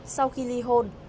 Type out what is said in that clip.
sau khi ly hôn